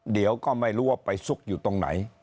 เดี๋ยวก็ไม่รู้ว่าไปซุกอยู่ตรงไหน